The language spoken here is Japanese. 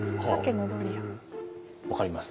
分かります？